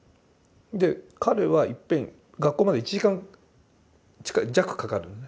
で彼はいっぺん学校まで１時間近い弱かかるの。